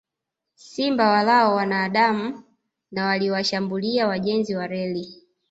Simba walao wanadamu na waliwashambulia wajenzi wa reli